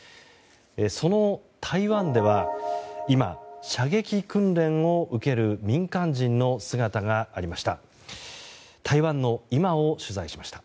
その台湾では今射撃訓練を受ける民間人の姿がありました。